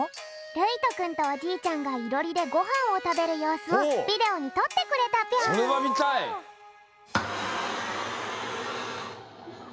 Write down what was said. るいとくんとおじいちゃんがいろりでごはんをたべるようすをビデオにとってくれたぴょん。